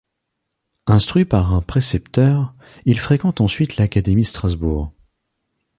Instruit par un précepteur, il fréquente ensuite l'académie de Strasbourg.